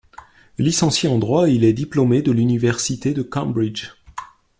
Licencié en droit, il est diplômé de l’université de Cambridge.